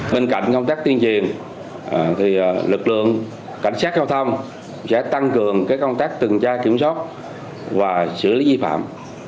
bên cạnh công tác tuyên truyền lực lượng cảnh sát giao thông sẽ tăng cường công tác tuần tra kiểm soát và xử lý ghi phạm